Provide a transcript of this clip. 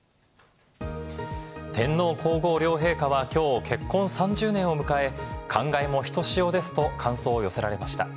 天皇皇后両陛下はきょう結婚３０年を迎え、感慨もひとしおですと感想を寄せられました。